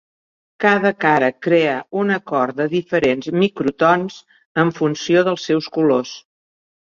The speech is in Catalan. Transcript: Cada cara crea un acord de diferents microtons en funció dels seus colors.